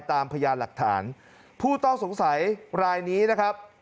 พยานหลักฐานผู้ต้องสงสัยรายนี้นะครับ